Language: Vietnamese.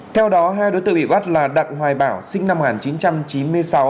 theo đó hai đối tượng bị bắt là đặng hoài bảo sinh năm một nghìn chín trăm chín mươi sáu